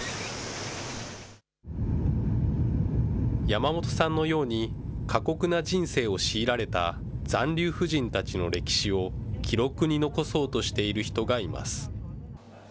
山本さんのように、過酷な人生を強いられた残留婦人たちの歴史を記録に残そうとしている人がいます。